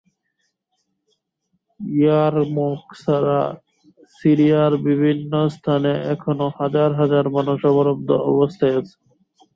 ইয়ারমুক ছাড়াও সিরিয়ার বিভিন্ন স্থানে এখনো হাজার হাজার মানুষ অবরুদ্ধ অবস্থায় আছে।